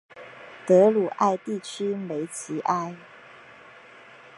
德鲁艾地区梅齐埃。